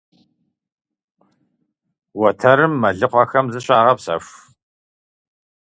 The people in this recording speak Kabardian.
Уэтэрым мэлыхъуэхэм зыщагъэпсэху.